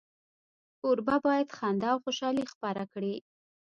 کوربه باید خندا او خوشالي خپره کړي.